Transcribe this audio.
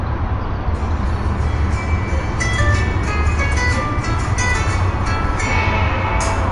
Azken minutuetan armaginek ezin izan zuten partida berdindu eta jeitsiera postuetan jarraituko dute.